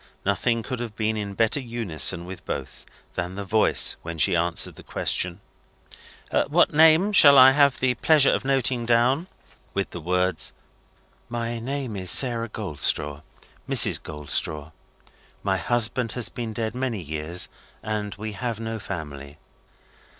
Nothing could have been in better unison with both, than her voice when she answered the question: "What name shall I have the pleasure of noting down?" with the words, "My name is Sarah Goldstraw. Mrs. Goldstraw. My husband has been dead many years, and we had no family."